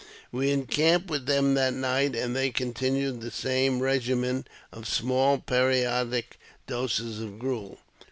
We encamped with them that night, and they continued the same regimen of small periodic doses of gruel.